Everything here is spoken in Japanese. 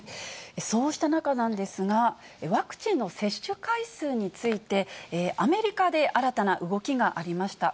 そうした中なんですが、ワクチンの接種回数について、アメリカで新たな動きがありました。